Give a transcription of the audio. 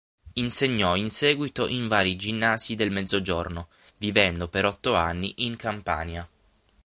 Insegnò in seguito in vari ginnasi del Mezzogiorno, vivendo per otto anni in Campania.